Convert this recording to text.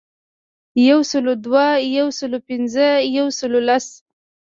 یو سلو دوه، یو سلو پنځه ،یو سلو لس .